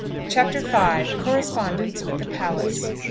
CHAPTER V. CORRESPONDENCE WITH THE PALACE.